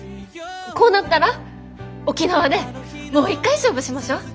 こうなったら沖縄でもう一回勝負しましょう。